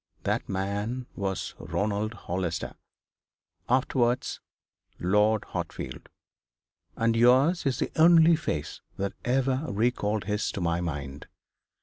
That man was Ronald Hollister, afterwards Lord Hartfield. And yours is the only face that ever recalled his to my mind.